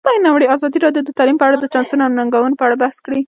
ازادي راډیو د تعلیم په اړه د چانسونو او ننګونو په اړه بحث کړی.